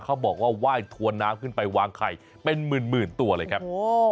เขาบอกว่าไหว้ถวนน้ำขึ้นไปวางไข่เป็นหมื่นตัวเลยครับ